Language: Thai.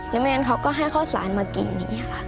แล้วแมนเขาก็ให้ข้าวสารมากินอย่างนี้ค่ะ